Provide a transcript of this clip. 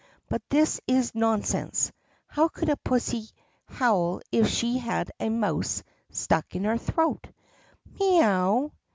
But this is nonsense. How could a pussy howl if she had a mouse stuck in her throat*? "MEE OW!"